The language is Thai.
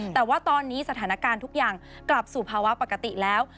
แต่ว่าตอนนี้สถานการณ์ทุกอย่างกลับสู่ภาวะปกติแล้ว